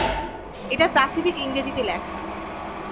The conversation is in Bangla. এটা প্রাথমিক ইংরেজিতে লেখা।